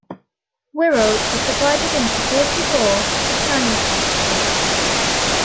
Wirral is divided into forty-four, for planning purposes.